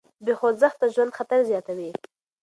بې خوځښته ژوند خطر زیاتوي.